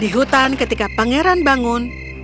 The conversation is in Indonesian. di hutan ketika pangeran bangun